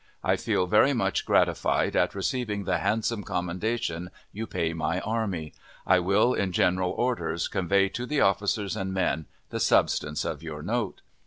I feel very much gratified at receiving the handsome commendation you pay my army. I will, in general orders, convey to the officers and men the substance of your note.